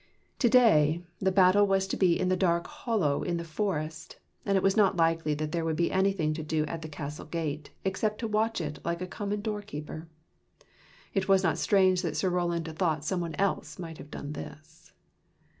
To day the battle was to be in the dark hollow in. the forest, and it was not likely that there would be anything to do at the castle gate, except to watch it like a common doorkeeper. It was not strange that Sir Roland thought some one else might have done this.